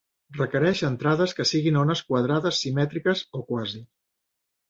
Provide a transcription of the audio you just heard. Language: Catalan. Requereix entrades que siguin ones quadrades simètriques o quasi.